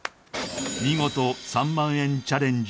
見事３万円チャレンジ